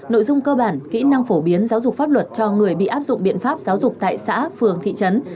nội dung cơ bản kỹ năng phổ biến giáo dục pháp luật cho người bị áp dụng biện pháp giáo dục tại xã phường thị trấn